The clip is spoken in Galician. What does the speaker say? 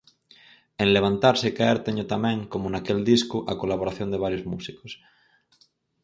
En Levantarse e caer teño tamén, como naquel disco, a colaboración de varios músicos.